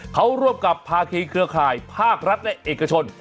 เขาร่วมกับภาคีเครือข่ายภาครัฐและเอกชน